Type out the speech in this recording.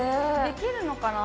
できるのかな？